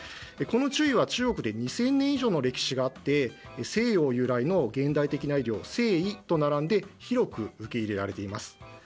この中医は中国で２０００年以上歴史があって、西洋由来の現代的な医療、西医と並んで広く受け入れられています。